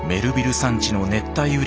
山地の熱帯雨林。